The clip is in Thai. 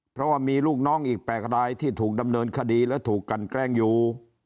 เพราะว่ามีลูกน้องอีก๘รายที่ถูกดำเนินคดีและถูกกันแกล้งอยู่